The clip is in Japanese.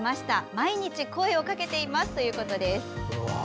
毎日声をかけていますということです。